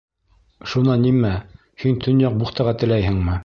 Шунан нимә? һин Төньяҡ бухтаға теләйһеңме?